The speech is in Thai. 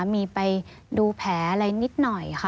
มีไปดูแผลอะไรนิดหน่อยค่ะ